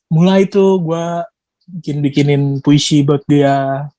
mulai tuh gue bikinin puisi buat dia